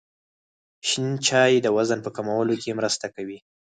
شنې چايي د وزن په کمولو کي مرسته کوي.